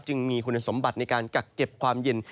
จึงมีคุณสมบัติในการกักเก็บความเย็น